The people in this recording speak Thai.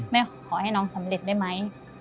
ขอให้น้องสำเร็จได้ไหม